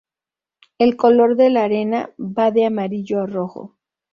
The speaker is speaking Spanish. El color de la arena va de amarillo a rojo.